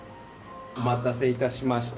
お待たせいたしました。